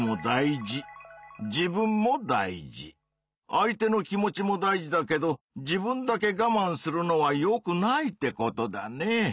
相手の気持ちも大事だけど自分だけがまんするのはよくないってことだね。